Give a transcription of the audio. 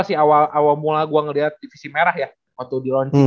ini awal sih awal mula gue ngelihat divisi merah ya waktu di launching